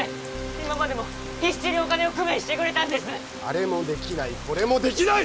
今までも必死にお金を工面してくれたんですあれもできないこれもできない！